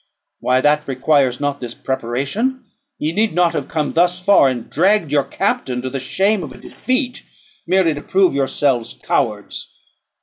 Why, that requires not this preparation; ye need not have come thus far, and dragged your captain to the shame of a defeat, merely to prove yourselves cowards.